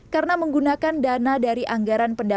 karena menggunakan dana dari anggaran perhelatan